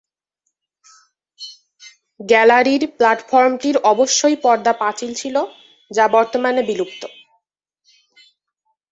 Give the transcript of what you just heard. গ্যালারির প্লাটফরমটির অবশ্যই পর্দা-পাঁচিল ছিল, যা বর্তমানে বিলুপ্ত।